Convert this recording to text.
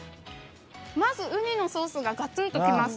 まず、ウニのソースがガツンときます。